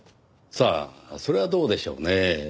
さあそれはどうでしょうねぇ。